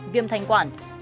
viêm thanh quản